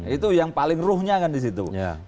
itu yang paling ruhnya kan disitu